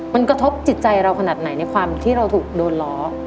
มันกระทบจิตใจเราขนาดไหนในความที่เราถูกโดนล้อ